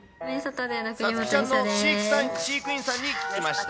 さつきちゃんの飼育員さんに聞きました。